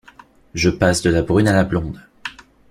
Je passe de la brune à la blonde...